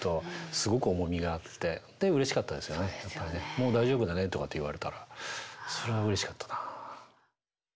「もう大丈夫だね」とかって言われたらそれはうれしかったな。